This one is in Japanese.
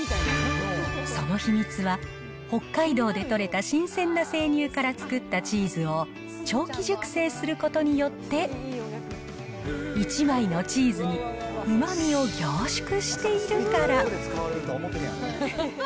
その秘密は、北海道で取れた新鮮な生乳から作ったチーズを長期熟成することによって、１枚のチーズにうまみを凝縮しているから。